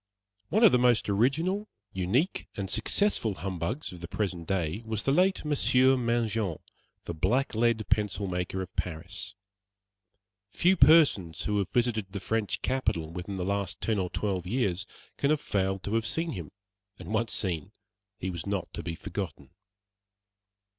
One of the most original, unique, and successful humbugs of the present day was the late Monsieur Mangin, the blacklead pencil maker of Paris. Few persons who have visited the French capital within the last ten or twelve years can have failed to have seen him, and once seen he was not to be forgotten.